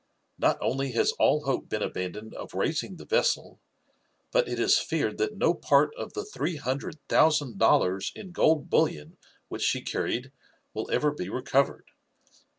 Not only has all hope been abandoned of raising the vessel, but it is feared that no part of the three hundred thousand dollars in gold bullion which she carried will ever be recovered.